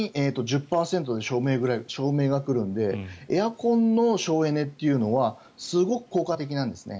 ３位に１０％で照明が来るのでエアコンの省エネというのはすごく効果的なんですね。